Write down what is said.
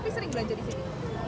tapi sering belanja di sini